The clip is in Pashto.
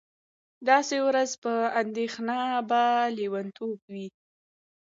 داسې ورځ چې اندېښنه به لېونتوب وي